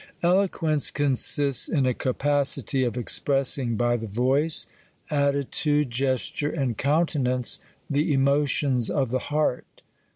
Eloquence consists in a capacity of expressing, by the Toice, attitude, gesture, and countenance, the emotions of the heart.